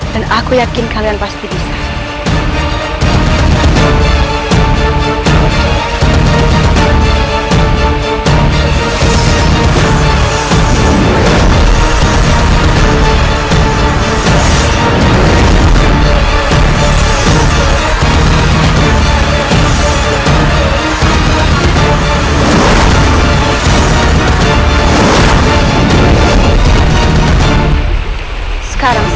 dan aku yakin kalian pasti bisa